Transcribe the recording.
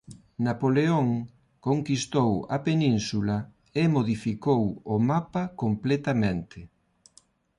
Napoleón conquistou a península e modificou o mapa completamente.